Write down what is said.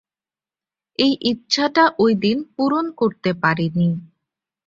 এই ইচ্ছাটা ওই দিন পূরণ করতে পারিনি।